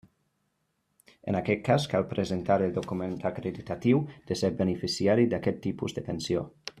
En aquest cas cal presentar el document acreditatiu de ser beneficiari d'aquest tipus de pensió.